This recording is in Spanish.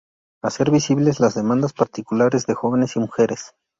Hacer visibles las demandas particulares de jóvenes y mujeres.